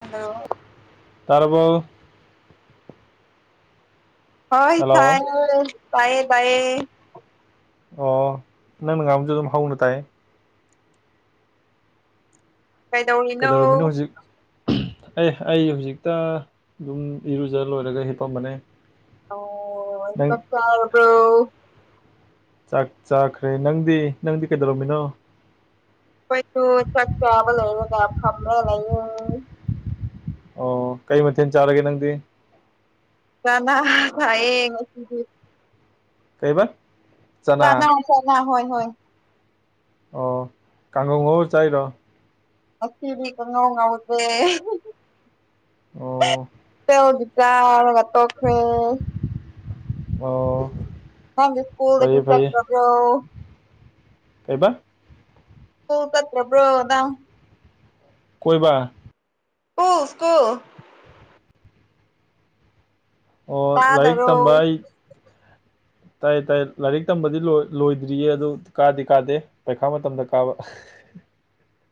Hello ꯇꯔꯕꯣ ꯍꯣꯏ hello ꯇꯥꯢꯌꯦ ꯇꯥꯢꯌꯦ ꯑꯣ ꯅꯪꯅ ꯉꯥꯕꯁꯨ ꯑꯗꯨꯝ ꯍꯥꯎꯅ ꯇꯥꯏ ꯀꯩꯗꯧꯔꯤꯅꯣ ꯀꯩꯗꯧꯔꯝꯃꯤꯅꯣ ꯍꯧꯖꯤꯛ ꯑꯦ ꯑꯩ ꯍꯧꯖꯤꯛꯇ ꯑꯗꯨꯝ ꯏꯔꯨꯖ ꯂꯣꯏꯔꯒ ꯍꯤꯞꯄꯝꯕꯅꯦ ꯑꯣ ꯅꯪ ꯆꯥꯛ ꯆꯥꯔꯕꯣ ꯆꯥꯛ ꯆꯥꯈ꯭ꯔꯦ ꯅꯪꯗꯤ ꯅꯪꯗꯤ ꯀꯩꯗꯧꯔꯝꯃꯤꯅꯣ꯫ ꯑꯈꯣꯏꯗꯨ ꯆꯥꯛ ꯆꯥꯕ ꯂꯣꯏꯔꯒ ꯐꯝꯃꯒ ꯂꯩꯌꯦ꯫ ꯑꯣ ꯀꯩ ꯃꯊꯦꯜ ꯆꯥꯔꯒꯦ ꯅꯪꯗꯤ꯫ ꯆꯥꯅ ꯆꯥꯏꯌꯦ ꯉꯁꯤꯗꯤ꯫ ꯀꯩꯕ꯫ ꯆꯅꯥ ꯆꯥꯅ ꯍꯣꯏ ꯍꯣꯏ꯫ ꯑꯣ ꯀꯥꯡꯉꯧ ꯉꯧꯔ ꯆꯥꯏꯔꯣ꯫ ꯉꯁꯤꯗꯤ ꯀꯪꯉꯧꯉꯧꯗꯦ꯫ ꯑꯣ꯫ [unintelligible] ꯆꯔꯒ ꯇꯣꯛ ꯈꯔꯦ꯫ ꯑꯣ꯫ ꯍꯥꯟꯒꯤ ꯁꯀꯨꯜꯗꯒ ꯐꯩꯌꯦ ꯐꯩꯌꯦ ꯆꯠꯇꯕ꯭ꯔꯣ꯫ ꯀꯩꯕ꯫ [unintelligible] ꯀꯠꯇꯕ꯭ꯔꯣ ꯅꯪ꯫ ꯀꯣꯏꯕ꯫ School school. ꯑꯣ ꯂꯥꯏꯔꯤꯛ ꯇꯥꯗꯔꯣ ꯇꯝꯕ ꯑꯩ [inaudible] ꯇꯥꯏꯌꯦ ꯇꯥꯏꯌꯦ ꯂꯥꯏꯔꯤꯛ ꯇꯝꯕꯗꯤ ꯂꯣꯏ ꯂꯣꯏꯗ꯭ꯔꯤꯌꯦ ꯑꯗꯨ ꯀꯥꯗꯤ ꯀꯥꯗꯦ꯫ ꯄꯩꯈꯥ ꯃꯇꯝꯗ ꯀꯥꯕ꯫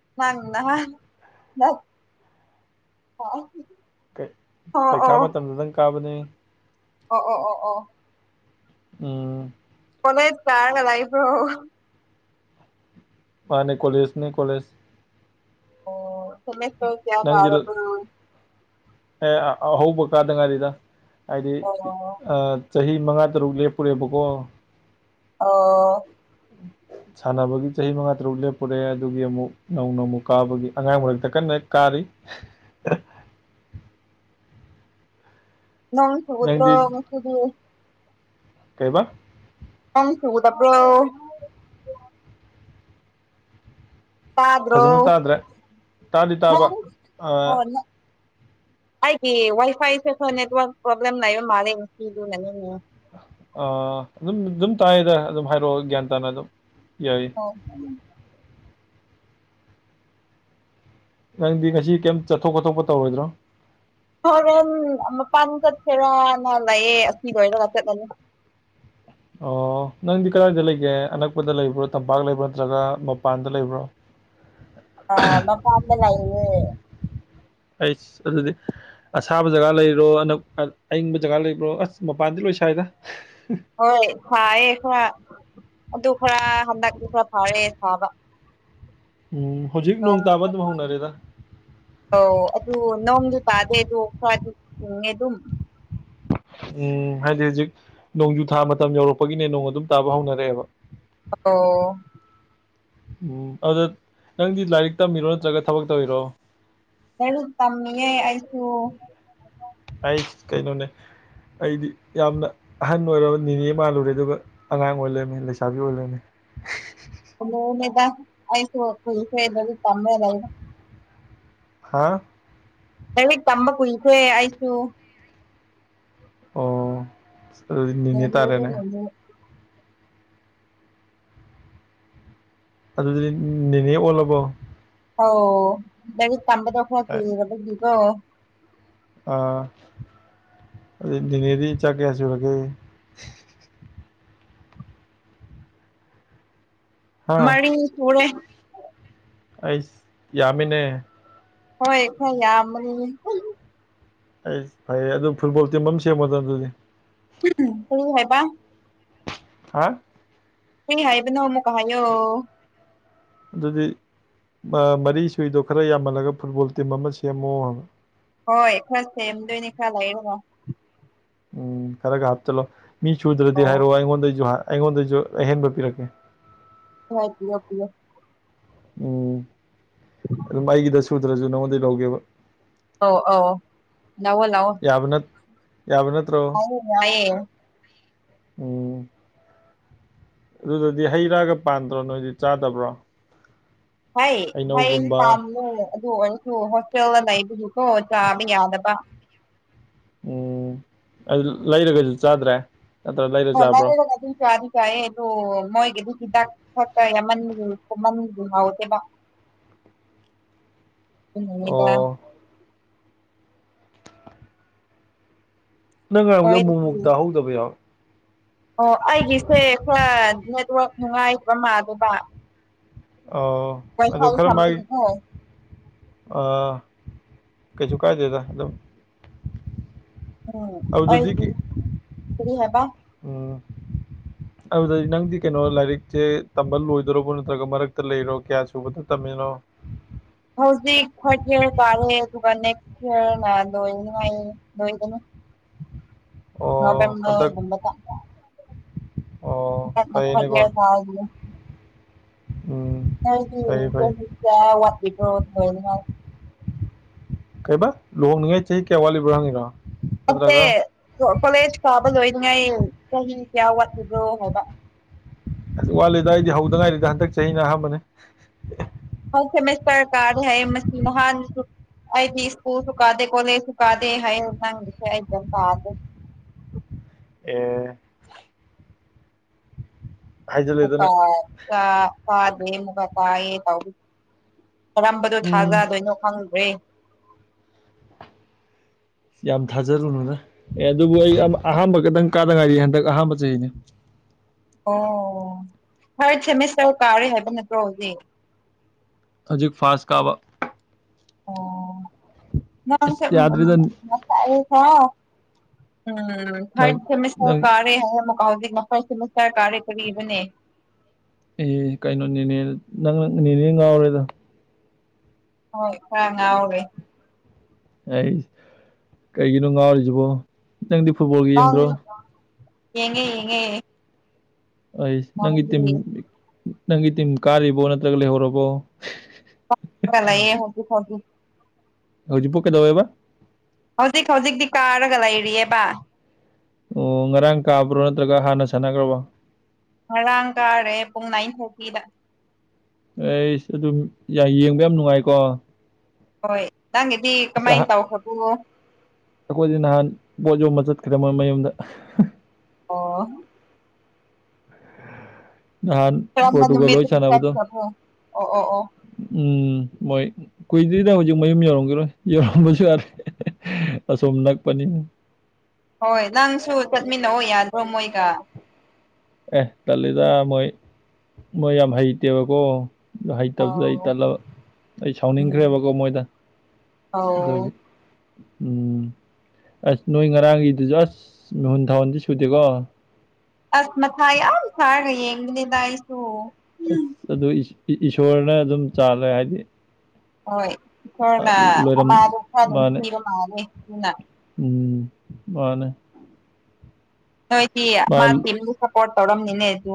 [unintelligible] ꯑꯣ ꯄꯩꯈꯥ ꯃꯇꯝꯗ ꯗꯪ ꯀꯥꯕꯅꯤ꯫ ꯑꯣ ꯑꯣ ꯑꯣ ꯑꯣ꯫ ꯑꯣꯝ꯫ ꯀꯣꯂꯦꯁ ꯆꯥꯔꯒ ꯂꯩꯕ꯭ꯔꯣ꯫ ꯃꯥꯅꯦ ꯀꯣꯂꯦꯖ ꯅꯤ ꯀꯣꯂꯦꯖ꯫ ꯀꯣꯂꯦꯖ ꯇꯣ ꯀꯌꯥ ꯅꯪꯗꯤ ꯄꯥꯔꯕꯅꯣ꯫ ꯑꯦ ꯑꯍꯧꯕ ꯀꯥꯗꯉꯥꯏꯔꯤꯗ ꯍꯥꯏꯗꯤ ꯑꯣ ꯑ ꯆꯍꯤ ꯃꯉꯥ ꯇꯔꯨꯛ ꯂꯦꯞꯄꯨꯔꯦꯕꯀꯣ꯫ ꯑꯣ꯫ ꯁꯥꯟꯅꯕꯒꯤ ꯆꯍꯤ ꯃꯉꯥ ꯇꯔꯨꯛ ꯂꯦꯞꯄꯨꯔꯦ ꯑꯗꯨꯒꯤ ꯑꯃꯨꯛ ꯅꯧꯅ ꯑꯃꯨꯛ ꯀꯥꯕꯒꯤ ꯑꯉꯥꯡ ꯃꯔꯛꯇ ꯀꯟꯅ ꯍꯦꯛ ꯀꯥꯔꯤ꯫ ꯅꯪ ꯅꯪꯗꯤ [unintelligible] ꯉꯁꯤꯗꯤ ꯫ ꯀꯩꯕ꯫ ꯅꯪ ꯁꯨꯒꯗꯕꯔꯣ꯫ ꯇꯗ꯭ꯔꯣ ꯐꯖꯅ ꯇꯥꯗ꯭ꯔꯦ ꯇꯥꯗꯤ ꯇꯥꯕ ꯅꯪ ꯑꯣ ꯅꯪ꯫ ꯑꯩꯒꯤ ꯋꯥꯏ ꯐꯥꯏꯁꯦ ꯈꯔ ꯅꯦꯠꯋꯔꯛ ꯄ꯭ꯔꯣꯕ꯭ꯂꯦꯝ ꯂꯩꯕ ꯃꯥꯜꯂꯦ ꯉꯁꯤꯗꯨ ꯑꯗꯨꯅꯥꯅꯤꯅꯦ꯫ ꯑꯥ ꯑꯗꯨꯝ ꯑꯗꯨꯝ ꯇꯥꯏꯌꯦꯗ ꯑꯗꯨꯝ ꯍꯥꯏꯔꯛꯑꯣ ꯒ꯭ꯌꯥꯟ ꯇꯥꯅ ꯑꯗꯨꯝ ꯌꯥꯏ꯫ [inaudible] ꯅꯪꯗꯤ ꯉꯁꯤ ꯀꯩꯝ ꯆꯠꯊꯣꯛ ꯈꯣꯠꯊꯣꯛꯄ ꯇꯧꯔꯣꯏꯗ꯭ꯔꯣ꯫ ꯍꯣꯔꯦꯟ ꯃꯄꯥꯟ ꯆꯠꯁꯦꯔꯥꯅ ꯂꯑꯦ ꯑꯁꯤ ꯂꯣꯏꯔꯒ ꯆꯠꯂꯅꯤ꯫ ꯑꯣ ꯅꯪꯗꯤ ꯀꯗꯥꯏꯗ ꯂꯩꯒꯦ ꯑꯅꯛꯄꯗ ꯂꯩꯕ꯭ꯔꯣ ꯇꯝꯄꯥꯛ ꯂꯩꯕ꯭ꯔꯣ ꯅꯠꯇ꯭ꯔꯒ ꯃꯄꯥꯟꯗ ꯂꯩꯕ꯭ꯔꯣ꯫ ꯑ ꯃꯄꯟꯗ ꯂꯩꯏꯌꯦ꯫ ꯑꯩꯁ ꯑꯗꯨꯗꯤ ꯑꯁꯥꯕ ꯖꯒꯥ ꯂꯩꯔꯣꯅ ꯑꯏꯪꯕ ꯖꯒꯥ ꯂꯩꯕ꯭ꯔꯣ ꯑꯁ ꯃꯄꯥꯟꯗꯤ ꯂꯣꯏ ꯁꯥꯏꯗ꯫ ꯍꯣꯏ ꯁꯥꯏꯌꯦ ꯈꯔ ꯑꯗꯨ ꯈꯔ ꯍꯟꯗꯛꯇꯤ ꯈꯔ ꯐꯥꯔꯦ ꯁꯥꯕ꯫ ꯎꯝ ꯍꯧꯖꯤꯛ ꯅꯣꯡ ꯇꯥꯕ ꯑꯗꯨꯝ ꯍꯧꯅꯔꯦꯗ꯫ ꯑꯧ ꯑꯗꯨ ꯅꯣꯡꯗꯤ ꯇꯥꯗꯦ ꯑꯗꯣ ꯈꯔꯗꯤ ꯎꯤꯡꯉꯦ ꯑꯗꯨꯝ꯫ ꯎꯝ ꯍꯥꯏꯗꯤ ꯍꯧꯖꯤꯛ ꯅꯣꯡꯖꯨ ꯊꯥ ꯃꯇꯝ ꯌꯧꯔꯛꯄꯒꯤꯅꯦ ꯅꯣꯡ ꯑꯗꯨꯝ ꯇꯥꯕ ꯍꯧꯅꯔꯛꯑꯦꯕ꯫ ꯑꯣ꯫ ꯎꯝ ꯑꯗꯨꯗ ꯅꯪꯗꯤ ꯂꯥꯏꯔꯤꯛ ꯇꯝꯕꯤꯔꯣ ꯅꯠꯇ꯭ꯔꯒ ꯊꯕꯛ ꯇꯧꯔꯤꯔꯣ꯫ ꯂꯔꯨꯛ ꯇꯝꯃꯤꯌꯦ ꯑꯩꯁꯨ ꯑꯩ ꯀꯩꯅꯣꯅꯦ ꯑꯩꯗꯤ ꯌꯥꯝꯅ ꯑꯍꯟ ꯑꯣꯏꯔꯕ ꯅꯤꯅꯦ ꯃꯥꯜꯂꯨꯔꯦ ꯑꯗꯨꯒ ꯑꯉꯥꯡ ꯑꯣꯏꯔꯃꯤ ꯂꯩꯁꯥꯕꯤ ꯑꯣꯏꯔꯃꯤ ꯂꯅꯦꯗꯁꯨ ꯄꯁꯗꯗꯤ ꯀꯃꯦ ꯂꯩ ꯂꯩ ꯍꯥꯥ ꯂꯥꯏꯔꯤꯛ ꯇꯝꯕ ꯀꯨꯏꯁꯦ ꯑꯩꯁꯨ ꯑꯣ ꯑꯗꯨ ꯅꯤꯅꯤ ꯇꯥꯔꯦꯅꯦ ꯑꯗꯨꯗꯤ ꯅꯦꯅꯦ ꯑꯣꯜꯂꯕꯣ ꯑꯣꯧ ꯂꯔꯤꯛ ꯇꯝꯕꯗꯣ ꯈꯔ ꯀꯨꯏꯔꯔꯕꯔꯕꯗꯤꯒꯣ ꯑꯥ ꯑꯗꯨ ꯅꯦꯅꯦꯗꯤ ꯆꯥꯛ ꯀꯌꯥ ꯁꯨꯔꯒꯦ ꯍꯥ ꯃꯅꯤ ꯊꯣꯛꯣꯔꯦ ꯑꯩꯁ ꯌꯥꯃꯤꯅꯦ ꯍꯣꯏ ꯈꯔ ꯌꯥꯝꯃ ꯑꯩ ꯐꯩꯌꯦ ꯑꯗꯨ ꯐꯨꯠꯕꯣꯜ ꯇꯤꯝ ꯑꯃ ꯁꯦꯝꯉꯣꯗꯣ ꯑꯗꯨꯗꯤ ꯐ ꯍꯕ ꯍꯥ ꯀꯔꯤ ꯍꯥꯏꯕꯅꯣ ꯑꯃꯨꯛꯀ ꯍꯥꯏꯌꯣ꯫ ꯑꯗꯨꯗꯤ ꯑ ꯃꯔꯤ ꯁꯨꯏꯗꯨ ꯈꯔ ꯌꯥꯝꯃꯜꯂꯒ ꯐꯨꯠꯕꯣꯜ ꯇꯤꯝ ꯑꯃ ꯁꯦꯝꯃꯣ꯫ ꯍꯣꯏ ꯈꯔ ꯊꯦꯝꯗꯣꯏꯅꯤ ꯈꯔꯂꯩꯔꯒ꯫ ꯎꯝ ꯈꯔꯒ ꯍꯥꯞꯆꯤꯜꯂꯣ ꯃꯤ ꯁꯨꯗ꯭ꯔꯗꯤ ꯑꯣ ꯍꯥꯏꯔꯛꯑꯣ ꯑꯩꯉꯣꯟꯗꯩꯖꯨ ꯍꯥ ꯑꯩꯉꯣꯟꯗꯩꯖꯨ ꯑꯍꯦꯟꯕ ꯄꯤꯔꯛꯀꯦ꯫ [unintelligible] ꯄꯤꯌꯣ ꯄꯤꯌꯣ ꯎꯝ ꯑꯗꯨꯝ ꯑꯩꯒꯤꯗ ꯁꯨꯗ꯭ꯔꯖꯨ ꯅꯉꯣꯟꯗꯩ ꯂꯧꯒꯦꯕ꯫ ꯑꯧ ꯑꯧ ꯂꯧꯑꯣ ꯂꯧꯑꯣ꯫ ꯌꯥꯕꯅꯠ ꯌꯥꯕꯅꯠ ꯑꯧ ꯋꯥꯏꯌꯦ꯫ ꯎꯝ꯫ ꯑꯗꯨꯗꯗꯤ ꯍꯩ ꯔꯥꯒ ꯄꯥꯟꯗ꯭ꯔꯣ ꯅꯣꯏꯗꯤ ꯆꯥꯗꯕ꯭ꯔꯣ ꯍꯩ ꯍꯌꯦꯡ ꯅꯨ ꯍꯩꯅꯧꯒꯨꯝꯕ ꯇꯥ ꯑꯗꯨ ꯑꯣꯏ ꯑꯣ ꯍꯣꯁꯇꯦꯜꯗ ꯂꯩꯕꯁꯨꯀꯣ ꯆꯥꯕ ꯌꯥꯗꯕ ꯎꯝ ꯑꯗꯨ ꯂꯩꯔꯒꯁꯨ ꯆꯥꯗ꯭ꯔꯦ ꯅꯠꯇ꯭ꯔ ꯂꯩꯔ ꯑꯣꯅꯦ ꯆꯥꯕ꯭ꯔꯣ ꯂ ꯀꯗꯤ ꯆꯥꯔꯤ ꯆꯥꯏꯑꯌꯦ ꯑꯗꯨꯗꯣ ꯃꯣꯏꯒꯤꯗꯤ ꯍꯤꯗꯥꯛ ꯊꯛꯀ ꯌꯥꯝꯃꯟꯃꯟ ꯍꯥꯎꯁꯦꯕ ꯑꯣ ꯍꯅꯤꯗ ꯅꯪ ꯅꯣꯏꯗꯗꯤ ꯉꯥꯏꯕꯗꯣꯨꯛꯃꯨꯛ ꯇꯍꯧꯗꯕ ꯌꯥꯎꯋꯦ ꯑꯣ ꯑꯩꯒꯤꯁꯦ ꯈꯔ ꯅꯦꯠꯋꯥꯛ ꯅꯨꯡꯉꯥꯏꯕ ꯃꯥꯗꯕ ꯑꯣ ꯑꯗꯨ ꯈꯔ ꯃꯥꯒꯤ ꯁꯝꯕꯒꯤꯀꯣ ꯑ ꯀꯩꯁꯨ ꯀꯥꯏꯗꯦꯗ ꯑꯗꯨꯝ ꯎꯝ ꯑꯗꯨꯗꯗꯤ ꯑꯩꯒꯤ ꯀꯤ ꯀꯔꯤ ꯍꯥꯏꯕ꯫ ꯎꯝ ꯑꯗꯨꯗꯗꯤ ꯅꯪꯗꯤ ꯀꯩꯅꯣ ꯂꯥꯏꯔꯤꯛꯆꯦ ꯇꯝꯕ ꯂꯣꯏꯗ꯭ꯣꯔꯕꯣ ꯅꯠꯇ꯭ꯔꯒ ꯃꯔꯛꯇ ꯂꯩꯔꯤꯔꯣ ꯀꯌꯥ ꯁꯨꯕꯗ ꯇꯝꯃꯤꯅꯣ꯫ ꯍꯧꯖꯤꯛ ꯐꯥꯁ ꯏꯌꯥꯔ ꯀꯥꯔꯦ ꯑꯗꯨꯒ ꯅꯦꯛꯁ ꯏꯌꯥꯔ ꯂꯣꯏꯅꯤꯉꯥꯏ ꯂꯣꯏꯕꯅ ꯑꯣ ꯅꯕꯦꯝꯕꯔ ꯍꯟꯗꯛ ꯒꯨꯝꯕꯗ ꯑꯣ ꯍꯧꯗꯛꯅ ꯄꯠꯂꯦ ꯐꯩꯅꯦꯀꯣ ꯗꯥꯎꯗꯨꯒ꯫ ꯎꯝ꯫ ꯐꯩ ꯐꯩ [unintelligible] ꯋꯥꯠꯂꯤꯕꯣ ꯂꯣꯏꯅꯃꯛ ꯀꯩꯕ ꯂꯨꯍꯣꯡꯅꯤꯡꯉꯥꯏ ꯆꯍꯤ ꯀꯌꯥ ꯋꯥꯠꯂꯤꯕ꯭ꯔꯣ ꯍꯪꯉꯤꯔꯣ꯫ ꯅꯠꯇꯦ ꯅꯠꯇ꯭ꯔꯒ ꯀꯣꯂꯦꯖ ꯀꯥꯕ ꯂꯣꯏꯅꯤꯉꯩ ꯆꯍꯤ ꯀꯌꯥ ꯋꯥꯠꯂꯤꯕ꯭ꯔꯣ ꯍꯥꯏꯕ꯫ ꯋꯥꯠꯂꯤꯗ ꯑꯩꯗꯤ ꯍꯧꯗꯉꯥꯏꯔꯤꯗ ꯍꯟꯗꯛ ꯆꯍꯤꯅ ꯑꯍꯥꯟꯕꯅꯦ꯫ ꯊꯥꯔꯠ ꯁꯤꯃꯤꯁꯇꯔ ꯀꯥꯔꯤ ꯍꯥꯏ ꯃꯁꯤ ꯃꯍꯥꯟꯁꯨ꯫ ꯑꯩꯗꯤ ꯁ꯭ꯀꯨꯜ ꯁꯨ ꯀꯥꯗꯦ ꯀꯣꯂꯦꯖꯁꯨ ꯀꯥꯗꯦ ꯍꯥꯏꯌꯦ [unintelligible] ꯑꯦ [unintelligible] ꯍꯥꯏꯖꯜꯂꯦꯗꯅ ꯀꯔꯝꯕꯗꯣ ꯎꯝ ꯊꯥꯖꯗꯣꯏꯅꯣ ꯈꯪꯗ꯭ꯔꯦ ꯌꯥꯝ ꯊꯥꯖꯔꯨꯅꯨꯅ ꯑꯦ ꯑꯗꯨꯕꯨ ꯑꯩ ꯑꯍꯥꯥꯟꯕ ꯈꯤꯇꯪ ꯀꯥꯗ ꯉꯥꯏꯔꯤ ꯍꯟꯗꯛ ꯑꯍꯥꯟꯕ ꯆꯍꯤꯅꯤ ꯑꯣ ꯊꯥꯔꯠ ꯁꯦꯃꯤꯁꯇꯔ ꯀꯥꯔꯦ ꯍꯥꯏꯕ ꯅꯠꯇ꯭ꯔꯣ ꯍꯧꯖꯤꯛ ꯍꯧꯖꯤꯛ ꯐꯥꯁ ꯀꯥꯕ ꯑꯣ [unintelligible] ꯑꯁ ꯌꯥꯗ꯭ꯔꯦꯗ ꯊꯥꯔꯠ ꯅꯪ ꯅꯪ ꯁꯦꯃꯤꯁꯇꯔ ꯀꯥꯔꯦ ꯍꯥꯏꯌꯦ ꯑꯃꯨꯀ ꯍꯧꯖꯤꯛꯅ ꯐꯔꯁ ꯁꯦꯃꯤꯁꯇꯔ ꯀꯥꯔꯦ ꯀꯔꯤꯅꯣꯅꯦ ꯑꯦ ꯀꯩꯅꯣ ꯅꯦꯅꯦ ꯅꯪ ꯅꯦꯅꯦ ꯉꯥꯎꯔꯦꯗ ꯍꯣꯏ ꯈꯔ ꯉꯥꯎꯔꯦ ꯍꯩꯁ ꯀꯩꯒꯤꯅꯣ ꯉꯥꯎꯔꯤꯖꯤꯕꯣ ꯅꯪꯗꯤ ꯐꯨꯠꯕꯣꯜ [unintelligible] ꯌꯦꯡꯉꯦ ꯌꯦꯡꯉꯦ ꯑꯩꯁ ꯅꯪꯒꯤ ꯅꯪꯗꯤ ꯇꯤꯝ ꯅꯪꯒꯤ ꯇꯤꯝ ꯀꯥꯔꯤꯕꯣ ꯅꯠꯇ꯭ꯔꯒ ꯂꯩꯍꯧꯔꯕꯣ [unintelligible] ꯍꯧꯖꯤꯛ ꯐꯥꯎꯗꯤ ꯍꯧꯖꯤ ꯄꯣꯛ ꯀꯩꯗꯌꯦꯕꯥ ꯍꯧꯖꯤꯛ ꯍꯧꯖꯤꯛꯇꯤ ꯀꯥꯔꯒ ꯂꯩꯔꯤꯑꯕ ꯑꯣ ꯉꯔꯥꯡ ꯀꯥꯕ꯭ꯔꯣ ꯅꯠꯇ꯭ꯔꯒ ꯍꯥꯟꯅ ꯁꯥꯟꯅꯈ꯭ꯔꯕꯣ ꯉꯔꯥꯡ ꯀꯥꯔꯦ ꯄꯨꯡ ꯅꯥꯏꯟ ꯊꯥꯔꯇꯤꯗ ꯑꯩ ꯑꯗꯨꯝ ꯌꯥ ꯌꯦꯡꯕ ꯌꯥꯝ ꯅꯨꯡꯉꯥꯏꯀꯣ ꯍꯣꯏ ꯅꯪꯒꯤꯗꯤ ꯑꯁ ꯀꯃꯥꯏꯅ ꯇꯧꯈꯔꯥꯕꯣ ꯑꯩꯈꯣꯏꯗꯤ ꯅꯍꯥꯟ ꯄꯣꯠ ꯌꯣꯟꯕ ꯆꯠꯈ꯭ꯔꯦ ꯃꯣꯏ ꯃꯌꯨꯝꯗ ꯑꯣ ꯑꯍꯥꯟ ꯀꯝꯕ ꯅꯨꯃꯤꯠ ꯆꯠꯈꯔ꯭ꯕꯣ ꯑꯣ ꯑꯣ ꯑꯣ ꯎꯝ ꯃꯣꯏ ꯀꯨꯏꯗ꯭ꯔꯤꯗ ꯍꯧꯖꯤꯛ ꯃꯌꯨꯝ ꯌꯧꯔꯝꯈꯤꯔꯣꯏ ꯌꯧꯔꯝꯕꯁꯨ ꯌꯥꯔꯦ ꯑꯁꯣꯝ ꯅꯛꯄꯅꯤ ꯍꯣꯏ ꯅꯪꯁꯨ ꯆꯠꯃꯤꯟꯅꯑꯣ ꯌꯥꯗ꯭ꯔꯣ ꯃꯣꯏꯒ ꯑꯦ ꯇꯜꯂꯤꯗ ꯃꯣꯏ ꯃꯣꯏ ꯌꯥꯝ ꯍꯩꯇꯦꯕꯀꯣ ꯍꯩꯇꯕꯗꯨꯗ ꯑꯩ ꯑꯧ ꯇꯜꯂꯕ ꯑꯩ ꯎꯝ ꯁꯥꯎꯅꯤꯡꯈ꯭ꯔꯦꯕꯀꯣ ꯃꯣꯏꯗ ꯑꯗꯨꯒꯤ ꯑꯧ ꯎꯝ ꯑꯁ ꯅꯣꯏ ꯉꯔꯥꯡꯒꯤꯗꯨꯖꯨ ꯑꯁ ꯃꯤꯍꯨꯟ ꯊꯥꯍꯟꯗꯤ ꯁꯨꯗꯦꯀꯣ ꯑꯁ ꯃꯊꯥ ꯌꯥꯝ ꯁꯥꯔꯒ ꯌꯦꯡꯕꯅꯤꯗ ꯑꯩꯁꯨ ꯎꯝ ꯑꯁ ꯑꯗꯨ ꯏ ꯏꯁꯣꯔꯅ ꯑꯗꯨꯝ ꯆꯥꯜꯂꯦ ꯍꯥꯏꯗꯤ ꯍꯣꯏ ꯏꯁꯣꯔꯅ ꯂꯣꯏꯔꯝ ꯑꯃꯗꯨꯝ ꯈꯔ ꯃꯥꯅꯦ ꯅꯨꯡꯁꯤꯕ ꯃꯥꯜꯂꯦ ꯑꯗꯨꯅ ꯎꯝ ꯃꯥꯅꯦ ꯅꯣꯏꯗꯤ ꯃꯥ [unintelligible] ꯁꯞꯄꯣꯔꯠ ꯇꯧꯔꯝꯅꯤꯅꯦ ꯑꯗꯨ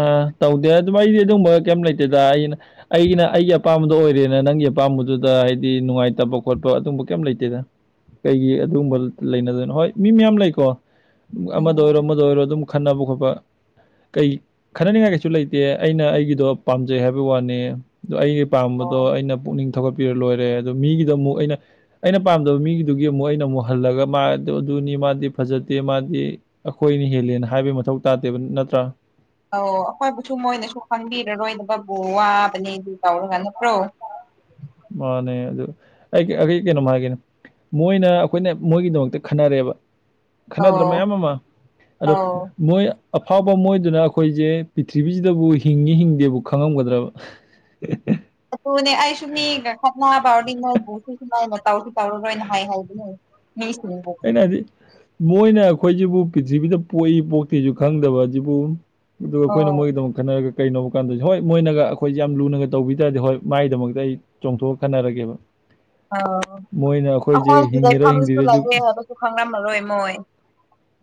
ꯑ ꯇꯧꯗꯦ ꯑꯗꯨ ꯑꯩꯗꯤ ꯑꯗꯨꯒꯨꯝꯕ ꯀꯩꯝ ꯂꯩꯇꯦꯗ ꯑꯩꯅ ꯑꯩꯅ ꯑꯩꯒꯤ ꯑꯄꯥꯝꯕꯗꯣ ꯑꯣꯏꯔꯦꯅ ꯅꯪꯒꯤ ꯑꯄꯥꯝꯕꯗꯨꯗ ꯍꯥꯏꯗꯤ ꯅꯨꯡꯉꯥꯏꯇꯕ ꯈꯣꯠꯄ ꯑꯗꯨꯕ ꯀꯩꯝ ꯂꯩꯇꯦꯗ ꯀꯩꯒꯤ ꯑꯗꯨꯒꯨꯝꯕ ꯂꯩꯅꯗꯅꯣ ꯍꯣꯏ ꯃꯤ ꯃꯌꯥꯝ ꯂꯩꯀꯣ ꯑꯃꯗ ꯎꯝ ꯑꯣꯏꯔꯣ ꯑꯃꯗ ꯑꯣꯏꯔꯣ ꯑꯗꯨꯝ ꯈꯟꯅꯕ ꯈꯣꯠꯄ ꯀꯩ ꯈꯟꯅꯅꯤꯡꯉꯥꯏ ꯀꯩꯁꯨ ꯂꯩꯇꯦ ꯑꯩꯅ ꯑꯩꯒꯤꯗꯣ ꯄꯥꯝꯖꯩ ꯍꯥꯏꯕ ꯋꯥꯅꯤ ꯑꯗꯣ ꯑꯩꯒꯤ ꯄꯥꯝꯕꯗꯣ ꯑꯣ ꯑꯩꯅ ꯄꯨꯛꯅꯤꯡ ꯊꯧꯒꯠꯄꯤꯔ ꯂꯣꯏꯔꯦ ꯑꯗꯣ ꯃꯤꯒꯤꯗ ꯑꯃꯨꯛ ꯑꯩꯅ ꯑꯩꯅ ꯄꯥꯝꯗꯕ ꯃꯤꯒꯤꯗꯨꯒꯤ ꯑꯃꯨꯛ ꯑꯩꯅ ꯑꯃꯨꯛ ꯍꯜꯂꯒ ꯃꯥ ꯑꯗꯨꯅꯤ ꯃꯥꯗꯤ ꯐꯖꯗꯦ ꯃꯥꯗꯤ ꯑꯩꯈꯣꯏꯅ ꯍꯦꯜꯂꯦꯅ ꯍꯥꯏꯕꯩ ꯃꯊꯧ ꯇꯥꯗꯦꯕ ꯅꯠꯇ꯭ꯔꯥ ꯑꯧ ꯑꯩꯈꯣꯏꯕꯨꯁꯨ ꯃꯣꯏꯅꯁꯨ ꯈꯪꯕꯤꯔꯔꯣꯏꯕꯕꯨ ꯋꯥꯕꯅꯦ ꯑꯗꯨ ꯇꯧꯔꯒ ꯅꯠꯇ꯭ꯔꯣ ꯃꯥꯅꯦ ꯑꯗꯨ ꯑꯩ ꯑꯩ ꯀꯩꯅꯣꯃꯥ ꯍꯥꯒꯦꯅꯦ ꯃꯣꯏꯅ ꯑꯩꯈꯣꯏꯅ ꯃꯣꯏꯒꯤꯗꯃꯛꯇ ꯈꯟꯅꯔꯦꯕ ꯈꯟꯅꯗ꯭ꯔ ꯑꯧ ꯃꯌꯥꯝ ꯑꯃ ꯑꯗꯣ ꯑꯧ ꯃꯣꯏ ꯑꯐꯥꯎꯕ ꯃꯣꯏꯗꯨꯅ ꯑꯩꯈꯣꯏꯁꯦ ꯄ꯭ꯔꯤꯊꯤꯔꯤꯕꯤꯁꯤꯗꯕꯨ ꯍꯤꯡꯉꯤ ꯍꯤꯡꯗꯦꯕꯨ ꯈꯪꯉꯝꯒꯗ꯭ꯔꯕ [inaudible] ꯑꯗꯨꯅꯦ ꯑꯩꯁꯨ ꯃꯤꯒ ꯈꯠ ꯐꯎꯔꯗꯤ ꯅꯣꯏꯕꯨ ꯁꯨ ꯁꯨꯃꯥꯏꯅ ꯇꯧꯁꯨ ꯇꯧꯔꯔꯣꯏꯅ ꯍꯥꯏ ꯍꯥꯏꯕꯅꯦ [unintelligible] ꯑꯩꯅ ꯍꯥꯏꯗꯤ ꯃꯣꯏꯅ ꯑꯩꯈꯣꯏꯁꯤꯕꯨ ꯄ꯭ꯔꯤꯊꯤꯕꯤꯗ ꯄꯣꯛꯏ ꯄꯣꯛꯇꯦꯁꯨ ꯈꯪꯗꯕꯁꯤꯕꯨ ꯑꯗꯨꯒ ꯑꯩꯈꯣꯏꯅ ꯑꯣ ꯃꯣꯏꯒꯤꯗꯃꯛꯇ ꯈꯟꯅꯔꯒ ꯀꯩꯅꯣꯕ ꯀꯥꯟꯗ ꯍꯣꯏ ꯃꯣꯏꯅꯒ ꯑꯩꯈꯣꯏꯁꯦ ꯌꯥꯝ ꯂꯨꯅꯒ ꯇꯧꯕꯤ ꯇꯥꯔꯗꯤ ꯍꯣꯏ ꯃꯒꯤꯗꯃꯛꯇ ꯑꯩ ꯆꯣꯡꯊꯣꯛꯑ ꯈꯟꯅꯔꯒꯦꯕ ꯑ ꯑꯩꯈꯣꯏꯁꯤ ꯍꯤꯡꯉꯤꯔ ꯂꯩꯐꯝꯁꯨ ꯍꯤꯡꯗꯤꯔꯁꯨ ꯂꯩꯑꯦ ꯍꯥꯏꯕꯁꯨ ꯈꯪꯂꯝꯝꯃꯔꯣꯏ ꯃꯣꯏ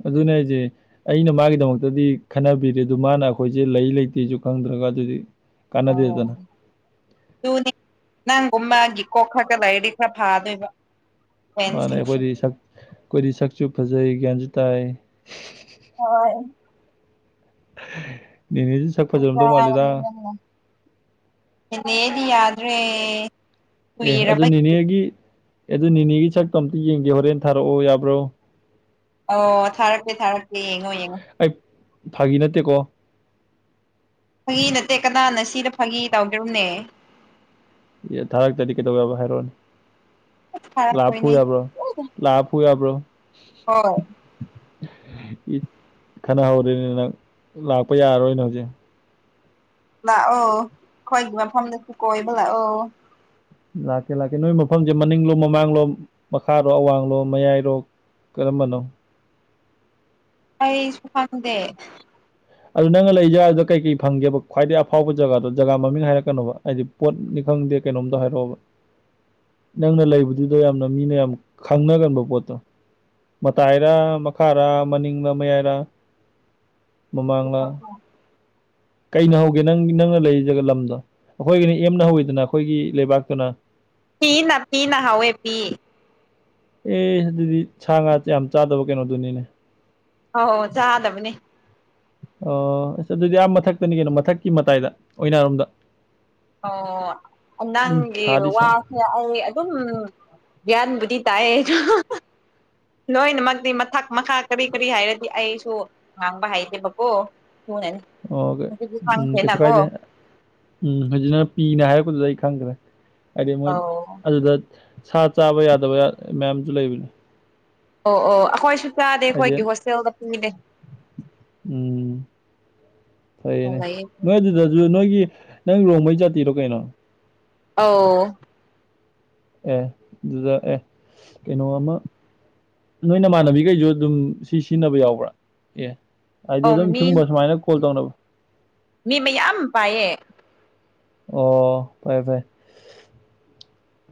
ꯑꯗꯨꯅꯦ ꯍꯥꯏꯁꯦ ꯑꯩꯅ ꯃꯥꯒꯤꯗꯃꯛꯇꯗꯤ ꯈꯟꯅꯕꯤꯔꯦ ꯑꯗꯨ ꯃꯥꯅ ꯑꯩꯈꯣꯏꯁꯦ ꯂꯩ ꯂꯩꯇꯦꯁꯨ ꯈꯪꯗ꯭ꯔꯒ ꯑꯗꯨꯗꯤ ꯑꯣ ꯀꯥꯟꯅꯗꯦꯗꯅ ꯑꯗꯨꯅꯤ ꯅꯪꯒꯨꯝ ꯃꯥꯒꯤ ꯀꯣꯛ ꯈꯔ ꯂꯩꯥꯏꯔꯗꯤ ꯈꯔ ꯐꯥꯗꯣꯏꯕ ꯃꯥꯅꯤ ꯐꯦꯟꯁꯤꯡꯁꯦ ꯑꯩꯈꯣꯏꯗꯤ ꯁꯛ ꯑꯩꯈꯣꯏꯗꯤ ꯁꯛꯁꯨ ꯐꯖꯩ ꯒ꯭ꯌꯥꯟꯁꯨ ꯇꯥꯏ [unintelligible] ꯅꯦꯅꯦꯁꯨ ꯁꯛ ꯑꯗꯨꯒ ꯐꯖꯔꯝꯗꯧ ꯃꯥꯂꯤꯗ ꯐꯖꯗꯦ ꯑꯩꯗꯤ ꯌꯥꯗꯔꯦ ꯑꯦ ꯑꯗꯨ ꯅꯤꯅꯦꯒꯤ ꯑꯗꯨ ꯅꯦꯅꯦꯒꯤ ꯁꯛꯇꯣ ꯑꯝꯇ ꯌꯦꯡꯒꯦ ꯍꯣꯔꯦꯟ ꯊꯥꯔꯛꯑꯣ ꯌꯥꯕ꯭ꯔꯣ ꯑꯣ ꯊꯥꯔꯛꯀꯦ ꯊꯥꯔꯛꯀꯦ ꯌꯦꯡꯉꯣ ꯌꯦꯡꯉꯣ ꯑꯩ ꯐꯥꯒꯤ ꯅꯠꯇꯦꯀꯣ ꯐꯥꯒꯤ ꯅꯠꯇꯦ ꯀꯅꯥꯅ ꯁꯤꯗ ꯐꯥꯒꯤ ꯇꯧꯗ꯭ꯔꯣꯕꯅꯦ ꯑꯦ ꯊꯥꯔꯛꯇꯗꯤ ꯀꯩꯗꯧ ꯌꯥꯕ ꯍꯥꯏꯔꯛꯑꯣꯅꯦ ꯂꯥꯛꯑꯥ ꯐꯨ ꯊꯥꯔꯛꯇꯣꯏꯅꯦ ꯌꯥꯕꯔꯣ ꯂꯥꯛꯑ ꯐꯨ ꯌꯕꯔꯣ ꯍꯣꯏ ꯈꯠꯅꯍꯧꯔꯦꯅꯦ ꯅꯪ ꯂꯥꯛꯄ ꯌꯥꯔꯔꯣꯏꯅꯦ ꯍꯧꯖꯤꯛ ꯂꯥꯛꯑꯣ ꯑꯩꯈꯣꯏꯒꯤ ꯃꯐꯝꯗꯁꯨ ꯀꯣꯏꯕ ꯂꯥꯛꯑꯣ ꯂꯥꯛꯀꯦ ꯂꯥꯛꯀꯦ ꯅꯣꯏ ꯃꯐꯝꯁꯦ ꯃꯅꯤꯡꯂꯣ ꯃꯃꯥꯡꯂꯣ ꯃꯈꯥꯔꯣ ꯑꯋꯥꯡꯡꯂꯣ ꯃꯌꯥꯏꯔꯣ ꯀꯔꯝꯕꯅꯣ ꯑꯩꯁꯨ ꯈꯪꯗꯦ ꯑꯗꯨ ꯅꯪꯅ ꯂꯩ ꯖꯥꯒꯥꯗꯨꯗ ꯀꯩꯀꯩ ꯐꯪꯒꯦꯕ ꯈ꯭ꯋꯥꯏꯗꯒꯤ ꯑꯐꯥꯎꯕ ꯖꯒꯥꯗꯣ ꯖꯒꯥ ꯃꯃꯤꯡ ꯍꯥꯏꯔꯛꯀꯅꯣꯕ ꯍꯥꯏꯗꯤ ꯄꯣꯠꯅꯤ ꯈꯪꯗꯦ ꯀꯩꯅꯣꯝꯃꯗ ꯍꯥꯏꯔꯛꯑꯣꯕ [inaudible] ꯅꯪꯅ ꯂꯩꯕꯗꯨꯗꯣ ꯌꯥꯝꯅ ꯃꯤꯅ ꯌꯥꯝ ꯈꯪꯅꯒꯟꯕ ꯄꯣꯠꯇꯣ ꯃꯇꯥꯏꯔꯥ ꯃꯈꯥꯔꯥ ꯃꯅꯤꯡꯂ ꯃꯌꯥꯏꯔꯥ ꯃꯃꯥꯡꯂꯥ ꯀꯩꯅ ꯍꯧꯒꯦ ꯅꯪ ꯅꯪꯅ ꯂꯩꯔꯤ ꯖꯒ ꯂꯝꯗꯣ ꯑꯩꯈꯣꯏꯒꯤꯅꯤ ꯑꯦꯝꯅ ꯍꯧꯋꯤꯗꯅ ꯑꯩꯈꯣꯏꯒꯤ ꯂꯩꯕꯥꯛꯇꯨꯅ ꯄꯤꯅ ꯄꯤꯅ ꯍꯧꯏ ꯄꯤ ꯑꯦ ꯑꯗꯨꯗꯤ ꯁꯥ ꯉꯥ ꯌꯥꯝ ꯆꯥꯗꯕ ꯀꯩꯅꯣꯗꯨꯅꯤꯅꯦ ꯑꯧ ꯆꯥꯗꯕꯅꯦ ꯑꯣ ꯑꯁ ꯑꯗꯨꯗꯤ ꯑꯥ ꯃꯊꯛꯇꯅꯤ ꯀꯩꯅꯣ ꯃꯊꯛꯀꯤ ꯃꯇꯥꯏꯗ ꯑꯣꯏꯅꯔꯣꯝꯗ ꯑꯣ ꯎꯝ ꯅꯪꯒꯤ ꯁꯥꯗꯤ ꯋꯥ ꯁꯥ ꯑꯩ ꯑꯗꯨꯝ ꯒ꯭ꯌꯥꯟꯕꯨꯗꯤ ꯇꯥꯏ ꯂꯣꯏꯅꯃꯛꯗꯤ ꯃꯊꯛ ꯃꯈꯥ ꯀꯔꯤ ꯀꯔꯤ ꯍꯥꯏꯔꯗꯤ ꯑꯩꯁꯨ ꯉꯥꯡꯕ ꯍꯩꯗꯦꯕꯀꯣ [unintelligible] ꯑꯣ ꯎꯝ ꯀꯩꯁꯨ ꯀꯥꯏꯗꯦ ꯎꯝ ꯍꯧꯖꯤꯛꯅ ꯄꯤꯅ ꯍꯥꯏꯔꯛꯄꯗꯨꯗ ꯑꯩ ꯈꯪꯈ꯭ꯔꯦ ꯍꯥꯏꯗꯤ ꯃꯣꯏ ꯑꯧ ꯑꯗꯨꯗ ꯁꯥ ꯆꯥꯕ ꯌꯥꯗꯕ ꯃꯌꯥꯝꯁꯨ ꯂꯩꯕꯅꯤ ꯑꯣ ꯑꯣ ꯑꯩꯈꯣꯏꯁꯨ ꯆꯥꯗꯦ ꯍꯥꯏꯗꯤ ꯑꯩꯈꯣꯏꯒꯤ ꯍꯣꯁꯇꯦꯜꯗ ꯄꯤꯗꯦ ꯎꯝ ꯐꯩꯅꯦ ꯂꯩꯌꯦ ꯅꯣꯏ ꯑꯗꯨꯗꯁꯨ ꯅꯣꯏꯒꯤ ꯅꯪ ꯔꯣꯡꯃꯩ ꯖꯇꯤꯔꯣ ꯀꯩꯅꯣ ꯑꯧ ꯑꯦ ꯑꯗꯨꯗ ꯑꯦ ꯀꯩꯅꯣ ꯑꯃ ꯅꯣꯏ ꯅꯃꯥꯟꯅꯕꯤꯈꯩꯁꯨ ꯑꯗꯨꯝ ꯁꯤ ꯁꯤꯖꯤꯟꯅꯕ ꯌꯥꯎꯕ꯭ꯔꯥ ꯑꯦ ꯍꯥꯏꯗꯤ ꯑꯧ ꯑꯗꯨꯝ ꯃꯤ ꯁꯤꯒꯨꯝꯕ ꯁꯨꯃꯥꯏꯅ ꯀꯣꯜ ꯇꯧꯅꯕ ꯃꯤ ꯃꯌꯥꯝ ꯄꯥꯏꯌꯦ ꯑꯣ ꯐꯔꯦ ꯐꯔꯦ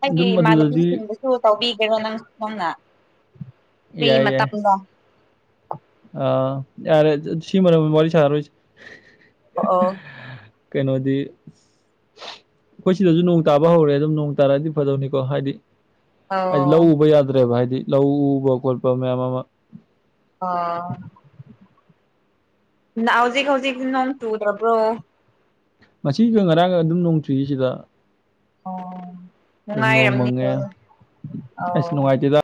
ꯑꯗꯨꯝ ꯑꯗꯨꯗꯗꯤ ꯨ ꯇꯧꯕꯤꯒꯦꯔꯣ ꯅꯪ ꯁꯣꯝꯅ ꯐ꯭ꯔꯤ ꯌꯥꯏ ꯌꯥꯏ ꯃꯇꯝꯗ ꯑꯥ ꯌꯥꯔꯦ ꯁꯤ ꯃꯔꯝ ꯋꯥꯔꯤ ꯁꯔꯣꯏꯁꯦ ꯑꯣ ꯑꯣ ꯀꯩꯅꯣꯗꯤ ꯑꯩꯈꯣꯏ ꯁꯤꯗꯁꯨ ꯅꯣꯡ ꯇꯥꯕ ꯍꯧꯔꯦ ꯑꯗꯨꯝ ꯅꯣꯡ ꯇꯥꯔꯛꯑꯗꯤ ꯐꯗꯧꯅꯤꯀꯣ ꯍꯥꯏꯗꯤ ꯍꯥꯏꯗꯤ ꯑꯧ ꯂꯧ ꯎꯕ ꯌꯥꯗ꯭ꯔꯦꯕ ꯍꯥꯏꯗꯤ ꯂꯧ ꯎꯕ ꯈꯣꯠꯄ ꯃꯌꯥꯝ ꯑꯃ ꯑꯣ ꯍꯧꯖꯤꯛ ꯍꯧꯖꯤꯛ ꯅꯣꯡ ꯆꯨꯗꯔꯕ꯭ꯔꯣ ꯉꯁꯤꯒ ꯉꯔꯥꯡꯒ ꯑꯗꯨꯝ ꯅꯣꯡꯆꯨꯢꯌꯦ ꯁꯤꯗ ꯑꯣ ꯅꯣꯡ ꯅꯨꯡꯉꯥꯏꯔꯝꯅꯤꯀꯣ ꯃꯪꯉꯦ ꯑꯁ ꯑꯥꯎ ꯅꯨꯡꯉꯥꯏꯇꯦꯗ